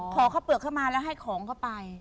ขอข้าวเปลือกเข้ามาแล้วให้ของเข้าไป